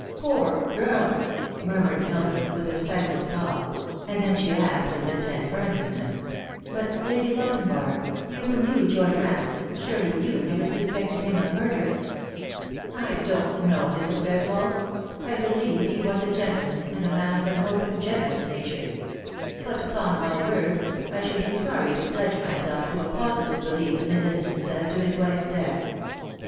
poor girl I" murmured Mildred, with a stifled sob ; and then she asked with intense earnestness, " but, Lady Lochinvar, you who knew George Ransome, surely you never suspected him of murder ?"" I don't know, Mrs. G reswold. I believe he was a gentleman, and a man of an open, generous nature ; but, upon my word, I should be sorry to pledge myself to a positive belief in his inno cence as to his wife's death.